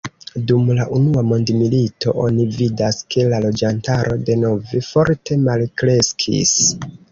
Dum la Unua Mondmilito oni vidas, ke la loĝantaro denove forte malkreskis.